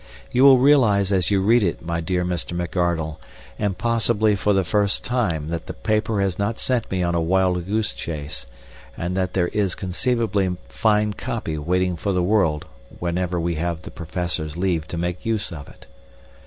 You will realize as you read it, my dear Mr. McArdle, and possibly for the first time that the paper has not sent me on a wild goose chase, and that there is inconceivably fine copy waiting for the world whenever we have the Professor's leave to make use of it.